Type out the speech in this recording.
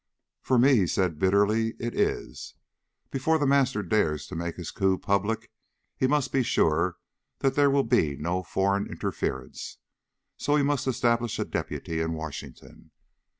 "For me," he said bitterly, "it is. Before The Master dares to make his coup public, he must be sure that there will be no foreign interference. So, he must establish a deputy in Washington.